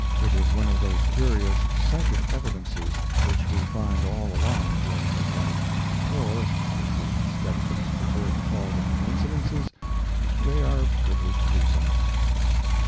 It was one of those curious psychic evidences which we find all along during his life; or, if the skeptics prefer to call them coincidences, they are privileged to do so.